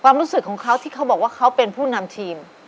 รู้สึกของเขาที่เขาบอกว่าเขาเป็นผู้นำทีม